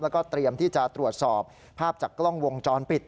แล้วก็เตรียมที่จะตรวจสอบภาพจากกล้องวงจรปิด